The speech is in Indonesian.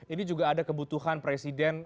ini juga ada kebutuhan presiden